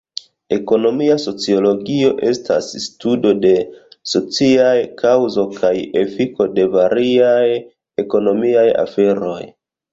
Ekonomia sociologio estas studo de sociaj kaŭzo kaj efiko de variaj ekonomiaj aferoj.